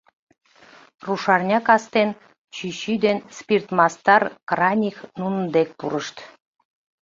Рушарня кастен чӱчӱ ден спиртмастар Краних нунын дек пурышт.